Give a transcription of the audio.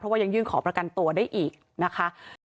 เพราะว่ายังยื่นขอประกันตัวได้อีกนะครับ